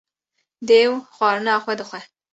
Dêw xwarina xwe dixwe